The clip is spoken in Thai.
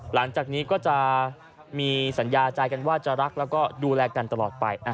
หลังจากนี้ก็จะมีสัญญาใจกันว่าจะรักแล้วก็ดูแลกันตลอดไป